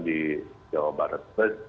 di jawa barat